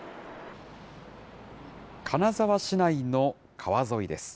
金沢市内の川沿いです。